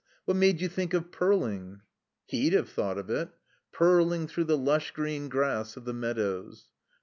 What made you think of purling?" "He'd have thought of it. 'Purling through the lush green grass of the meadows.'"